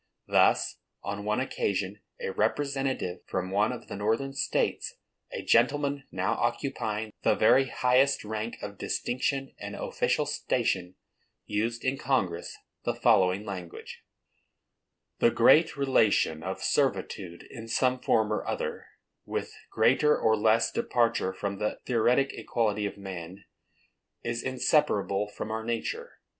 Thus, on one occasion, a representative from one of the northern states, a gentleman now occupying the very highest rank of distinction and official station, used in Congress the following language: The great relation of servitude, in some form or other, with greater or less departure from the theoretic equality of men, is inseparable from our nature.